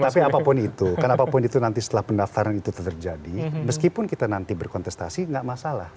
tapi apapun itu karena apapun itu nanti setelah pendaftaran itu terjadi meskipun kita nanti berkontestasi nggak masalah